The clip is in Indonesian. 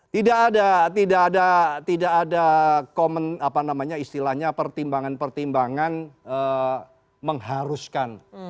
tidak ada tidak ada komen apa namanya istilahnya pertimbangan pertimbangan mengharuskan